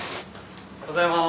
おはようございます。